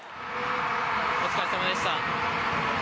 お疲れさまでした。